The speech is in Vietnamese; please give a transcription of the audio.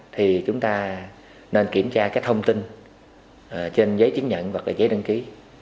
thì chúng ta nên kiểm tra cái thông tin trên giấy chứng nhận hoặc là giấy đăng ký